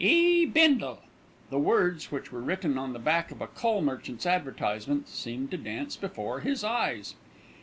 "E. BINDLE." The words, which were written on the back of a coal merchant's advertisement, seemed to dance before his eyes.